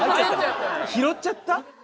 拾っちゃった？